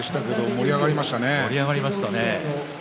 盛り上がりましたね。